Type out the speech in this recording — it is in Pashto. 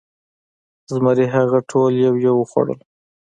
زمري هغه ټول یو یو وخوړل.